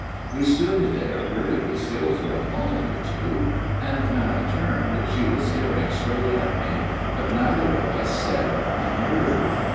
" We stood there perfectly still for a moment or two ; and when I turned, she was staring straight at me, but neither of us said one word.